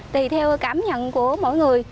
thì theo cảm nhận của mỗi người